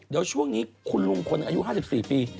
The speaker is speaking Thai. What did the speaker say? เดี๋ยวช่วงนี้คุณลุงคนหนึ่งอายุ๕๔ปี